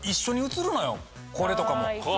これとかも。